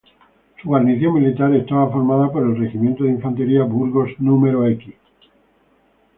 Su guarnición militar estaba formada por el regimiento de infantería Burgos núm.